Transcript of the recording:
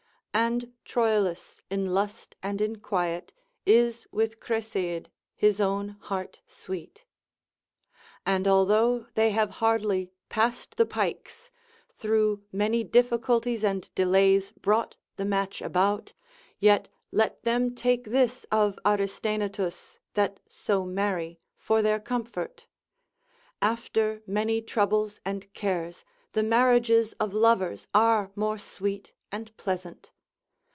And Troilus in lust and in quiet Is with Creseid, his own heart sweet. And although they have hardly passed the pikes, through many difficulties and delays brought the match about, yet let them take this of Aristaenetus (that so marry) for their comfort: after many troubles and cares, the marriages of lovers are more sweet and pleasant.